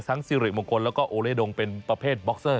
ทั้งสิริมงคลและโอเลดงเป็นประเภทบ็อกเสอร์